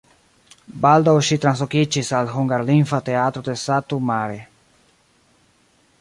Baldaŭ ŝi translokiĝis al hungarlingva teatro de Satu Mare.